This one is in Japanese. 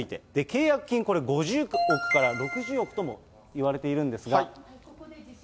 契約金、これ５０億から６０億ともいわれているんですが。